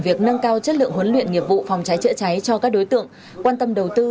việc nâng cao chất lượng huấn luyện nghiệp vụ phòng cháy chữa cháy cho các đối tượng quan tâm đầu tư